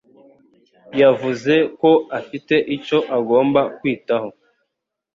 yavuze ko afite icyo agomba kwitaho.